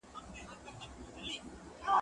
پر مځکه سوری نه لري، پر اسمان ستوری نه لري.